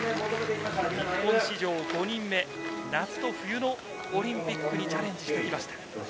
日本史上５人目夏と冬のオリンピックにチャレンジしてきました。